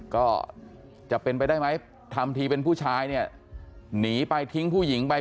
ก็จะเป็นไปได้ไหมทำทีเป็นผู้ชายเนี่ยหนีไปทิ้งผู้หญิงไป